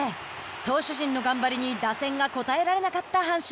投手陣の頑張りに打線が応えられなかった阪神。